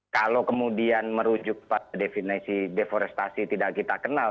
kalau kemudian merujuk pada definisi deforestasi tidak kita kenal